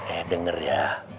eh denger ya